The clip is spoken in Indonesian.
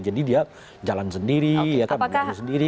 jadi dia jalan sendiri ya kan